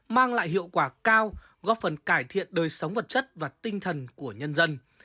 mang lại hiệu quả cao góp phần cải thiện đời sống vật chất và tinh thần của nhân dân